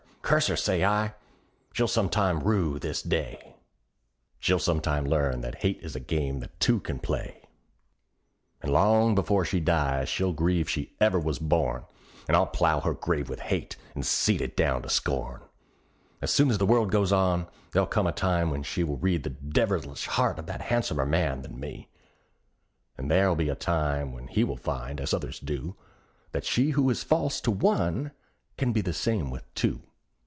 curse her! say I; she'll some time rue this day; "CURSE HER! CURSE HER! SAY I; SHE'LL SOME TIME RUE THIS DAY!" She'll some time learn that hate is a game that two can play; And long before she dies she'll grieve she ever was born; And I'll plow her grave with hate, and seed it down to scorn! As sure as the world goes on, there'll come a time when she Will read the devilish heart of that han'somer man than me; And there'll be a time when he will find, as others do, That she who is false to one can be the same with two.